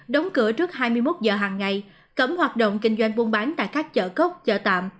đóng cửa trước hai mươi một giờ hàng ngày cấm hoạt động kinh doanh buôn bán tại các chợ cốc chợ tạm